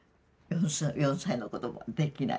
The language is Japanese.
４歳の子どもはできない。